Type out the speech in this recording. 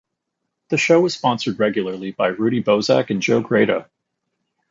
The show was sponsored regularly by Rudy Bozak and Joe Grado.